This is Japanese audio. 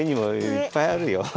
いっぱいある。